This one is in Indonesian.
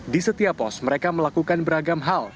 di setiap pos mereka melakukan beragam hal